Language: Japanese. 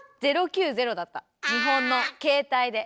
日本の携帯で。